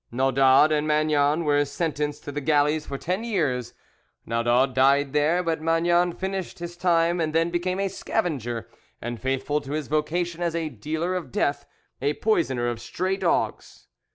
Naudaud and Magnan were sentenced to the galleys for ten years. Naudaud died there, but Magnan finished his time and then became a scavenger, and, faithful to his vocation as a dealer of death, a poisoner of stray dogs.